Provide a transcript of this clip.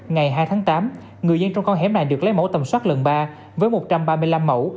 ngày hai tháng tám người dân trong con hẻm này được lấy mẫu tầm soát lần ba với một trăm ba mươi năm mẫu